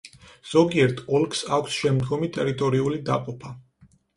ზოგიერთ ოლქს აქვს შემდგომი ტერიტორიული დაყოფა.